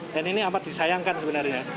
dan ini amat disayangkan sebenarnya